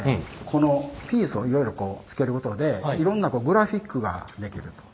このピースをいろいろつけることでいろんなグラフィックができると。